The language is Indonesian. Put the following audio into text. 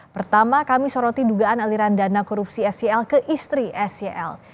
pertama kami soroti dugaan aliran dana korupsi sel ke istri sel